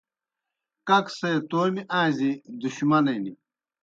ککسے تومیْ آݩزیْ دُشمنِن